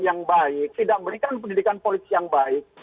yang baik tidak memberikan pendidikan politik yang baik